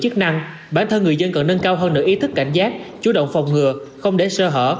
chức năng bản thân người dân cần nâng cao hơn nửa ý thức cảnh giác chú động phòng ngừa không để sơ hở